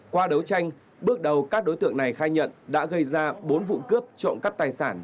qua đấu tranh bước đầu các đối tượng này khai nhận đã gây ra bốn vụ cướp trộm cắp tài sản